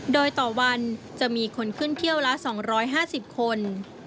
โดยต่อวันจะมีคนขึ้นเที่ยวละ๒๕๐คน